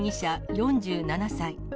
４７歳。